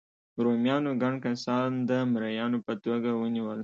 رومیانو ګڼ کسان د مریانو په توګه ونیول.